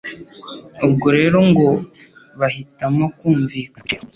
ubwo rero ngo bahitamo kumvikana ku biciro